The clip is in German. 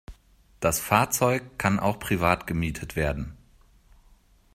Das Fahrzeug kann auch privat gemietet werden.